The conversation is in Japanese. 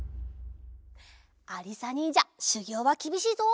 ありさにんじゃしゅぎょうはきびしいぞ。